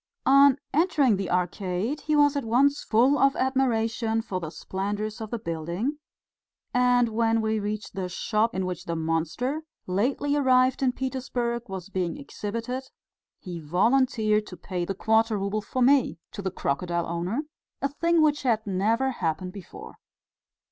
On entering the Arcade he was at once full of admiration for the splendours of the building, and when we reached the shop in which the monster lately arrived in Petersburg was being exhibited, he volunteered to pay the quarter rouble for me to the crocodile owner a thing which had never happened before.